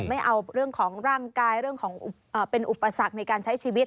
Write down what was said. ไม่เอาเรื่องของร่างกายเรื่องของเป็นอุปสรรคในการใช้ชีวิต